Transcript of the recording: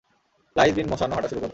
লাঈছ বিন মোশানও হাঁটা শুরু করে।